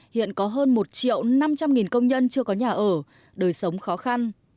hiện có hơn một triệu năm trăm linh công nhân chưa có nhà ở đời sống khó khăn